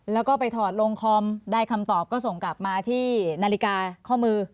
แล้วก็ไปถอดลงคอมได้คำตอบก็ส่งกลับมาที่นาฬิกาข้อมือ